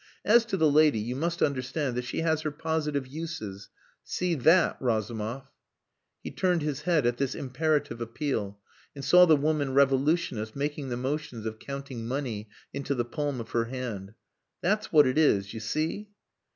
As to the lady, you must understand that she has her positive uses. See that, Razumov." He turned his head at this imperative appeal and saw the woman revolutionist making the motions of counting money into the palm of her hand. "That's what it is. You see?"